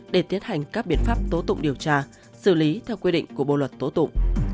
để tiến hành các biện pháp tố tụng điều tra xử lý theo quy định của bộ luật tố tụng